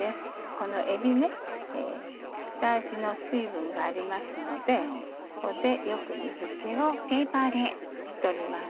このえび下味の水分がありますのでここでよく水気を拭き取ります。